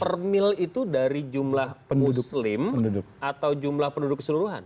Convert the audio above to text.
satu per mil itu dari jumlah muslim atau jumlah penduduk keseluruhan